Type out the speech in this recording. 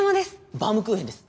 バウムクーヘンです。